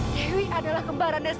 dewi adalah kembaran dari sita